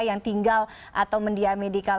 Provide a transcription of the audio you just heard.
yang tinggal atau mendiamedikala